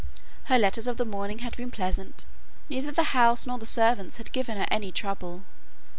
Her letters of the morning had been pleasant, neither the house nor the servants had given her any trouble.